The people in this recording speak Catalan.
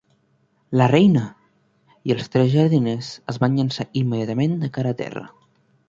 La Reina!" i els tres jardiners es van llançar immediatament de cara a terra.